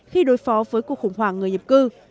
khi đối phó với cuộc khủng hoảng người nhập cư